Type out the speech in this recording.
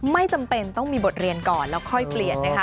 ไม่จำเป็นต้องมีบทเรียนก่อนแล้วค่อยเปลี่ยนนะคะ